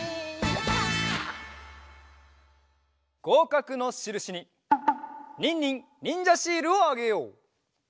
ごうかくのしるしにニンニンにんじゃシールをあげよう！